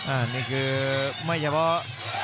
อันนี้คือไม่เฉพาะ